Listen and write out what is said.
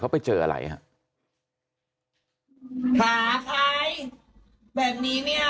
เขาไปเจออะไรหาใครแบบนี้ไม่เอานะ